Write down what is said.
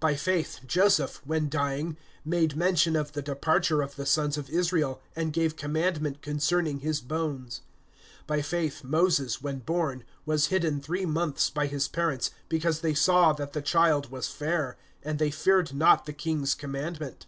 (22)By faith Joseph, when dying, made mention of the departure of the sons of Israel, and gave commandment concerning his bones. (23)By faith Moses, when born, was hidden three months by his parents, because they saw that the child was fair; and they feared not the king's commandment.